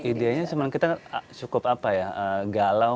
ide nya sebenarnya kita cukup galau